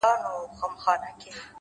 هوښیار انسان له خاموشیو هم معنا اخلي؛